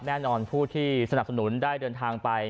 แน่นอนผู้ที่สนับสนุนได้เดินทางไป